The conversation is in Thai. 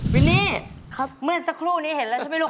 วินนี่เมื่อสักครู่นี้เห็นแล้วใช่ไหมลูก